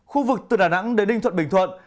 khu vực từ đà nẵng đến ninh thuận bình thuận